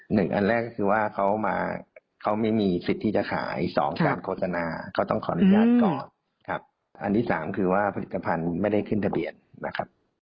อันแรกก็คือว่าเขามาเขาไม่มีสิทธิ์ที่จะขายสองการโฆษณาเขาต้องขออนุญาตก่อนครับอันที่สามคือว่าผลิตภัณฑ์ไม่ได้ขึ้นทะเบียนนะครับ